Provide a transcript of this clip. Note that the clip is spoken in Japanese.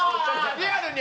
リアルに？